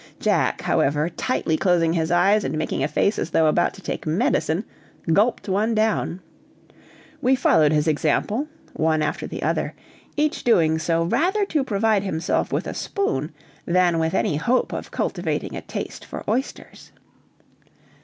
Jack, however, tightly closing his eyes and making a face as though about to take medicine, gulped one down. We followed his example, one after the other, each doing so rather to provide himself with a spoon than with any hope of cultivating a taste for oysters.